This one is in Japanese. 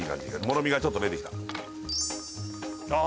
もろみがちょっと出てきたああ